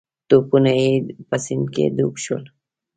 توپونه یې په سیند کې ډوب شول.